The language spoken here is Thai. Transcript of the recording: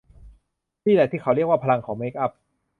นี่แหละที่เขาเรียกว่าพลังของเมคอัพ